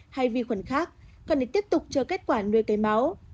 hay vi khuẩn khác cần để tiếp tục cho kết quả nuôi cây máu